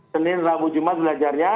senin rabu jumat belajarnya